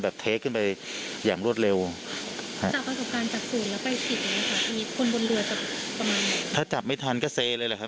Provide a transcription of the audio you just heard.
ได้เทขึ้นไปอย่างรวดเร็วเลยครับถ้าจับไม่ทันก็เซเลยเหรอครับ